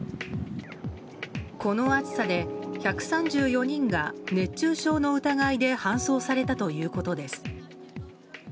この暑さで、１３４人が熱中症の疑いで搬送されたということです。